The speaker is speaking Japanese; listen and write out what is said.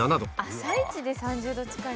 朝イチで３０度近い。